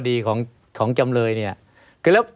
ไม่มีครับไม่มีครับ